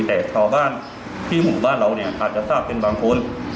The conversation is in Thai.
แต่ชาวบ้านที่หมู่บ้านเราเนี่ยอาจจะทราบเป็นบางคน